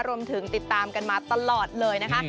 รวมถึงติดตามกันมาตลอดเลยนะคะ